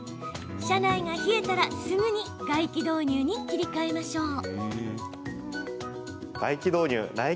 車内が冷えたら、すぐに外気導入に切り替えましょう。